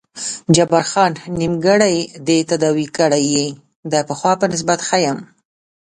جبار خان: نیمګړی دې تداوي کړی یې، د پخوا په نسبت ښه یم.